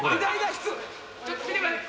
靴ちょっと見てください。